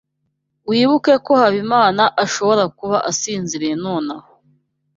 Wibuke ko Habimana ashobora kuba asinziriye nonaha.